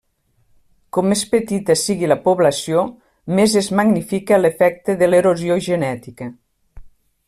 Com més petita sigui la població, més es magnifica l'efecte de l'erosió genètica.